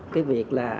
cái việc là